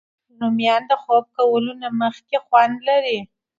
رومیان د خوب کولو نه مخکې خوند لري